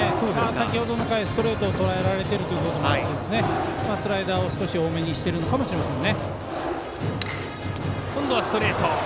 先ほどの回、ストレートをとらえられていることもあってスライダーを少し多めにしてるのかもしれません。